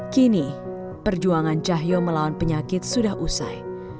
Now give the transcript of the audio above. kini perjuangan cahyo melawan penyakit sudah usai